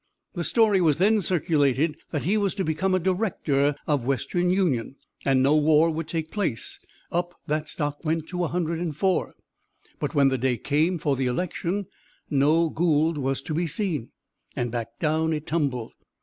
The story was then circulated that he was to become a director of Western Union, and no war would take place; up that stock went to 104. But when the day came for the election, no Gould was to be seen, and back down it tumbled.